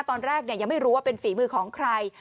ตอนแรกยังไม่รู้ว่าเป็นฝีมือของใคร